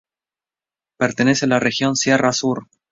Pertenece a la región sierra sur.